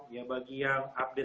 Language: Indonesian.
ya bagi yang update